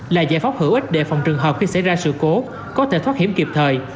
là giải pháp hữu ích để phòng trường hợp khi xảy ra sự cố có thể thoát hiểm kịp thời